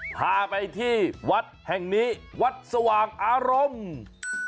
พาไปที่วัดแห่งนี้วัดสว่างอารมณ์